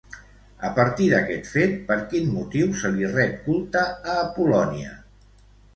A partir d'aquest fet, per quin motiu se li ret culte a Apol·lònia?